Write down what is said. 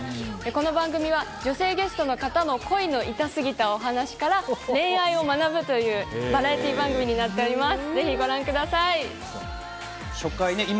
この番組は女性ゲストの方の恋のイタすぎたお話から恋愛を学ぶというバラエティー番組になっております。